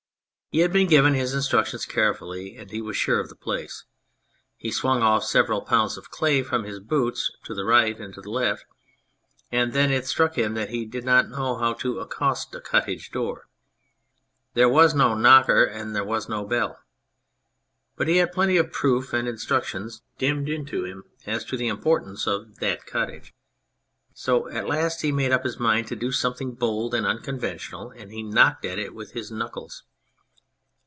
He had been given his instructions carefully, and he was sure of the place. He swung off several pounds of clay from his boots to the right and to the left, and then it struck him that he did not know how to accost a cottage door. There was no knocker and there was no bell, But he had had plenty of proof and instruction dinned into him as to the importance of that cottage, so at last he made up his mind to do something bold and unconventional, and he knocked at it with his knuckles.